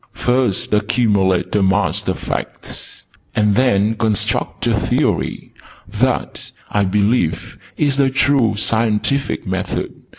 'First accumulate a mass of Facts: and then construct a Theory.' That, I believe, is the true Scientific Method.